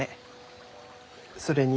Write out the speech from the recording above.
それに。